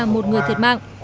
một người thiệt mạng